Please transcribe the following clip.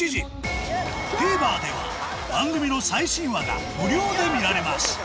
ＴＶｅｒでは番組の最新話が無料で見られます